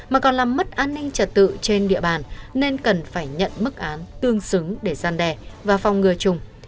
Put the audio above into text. mà còn làm mất an ninh trật tự trên địa bàn nên cần phải nhận mức án tương xứng để gian đe và phòng ngừa chung